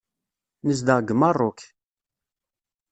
Nezdeɣ deg Meṛṛuk.